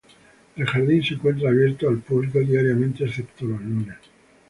El jardín se encuentra abierto al público diariamente excepto los lunes.